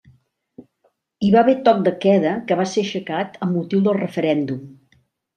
Hi va haver toc de queda que va ser aixecat amb motiu del referèndum.